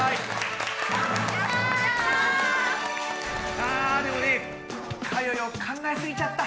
あでもねかよよ考えすぎちゃった。